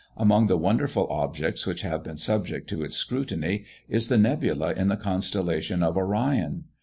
Among the wonderful objects which have been subject to its scrutiny, is the nebula in the constellation of Orion.